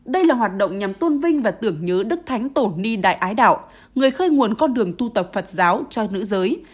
đây là hoạt động nhằm tôn vinh và tưởng nhớ đức thánh tổ ni đại ái đạo người khơi nguồn con đường tu tập phật giáo cho nữ giới